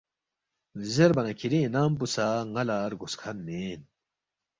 زیربا نہ کِھری انعام پو سہ ن٘ا لہ رگوس کھن مین